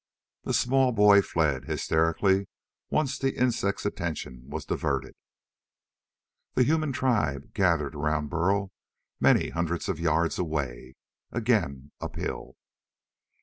The small boy fled, hysterically, once the insect's attention was diverted. The human tribe gathered around Burl many hundreds of yards away, again uphill.